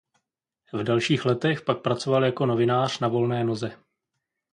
V dalších letech pak pracoval jako novinář na volné noze.